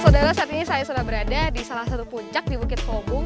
saudara saat ini saya sudah berada di salah satu puncak di bukit kobong